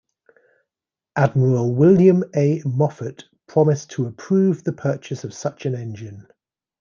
Admiral William A. Moffett promised to approve the purchase of such an engine.